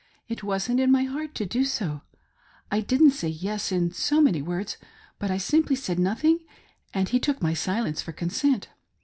It wasn't in my heart to do so, I didn't say " Yes " in so many words, but I simply said nothing, and he took my silence for consent.